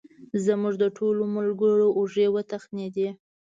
زموږ د ټولو ملګرو اوږې وتخنېدې.